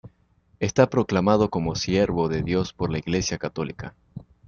Está proclamado como Siervo de Dios por la Iglesia Católica.